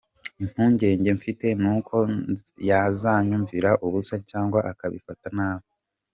Impungenge mfite ni uko yazanyumvira ubusa cyangwa akabifata nabi.